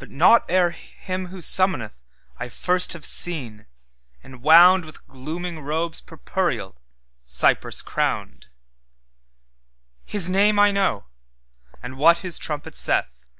But not ere him who summonethI first have seen, enwoundWith glooming robes purpureal, cypress crowned; His name I know, and what his trumpet saith.